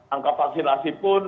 angka vaksinasi pun